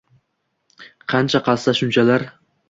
Qancha qazsa, shunchalar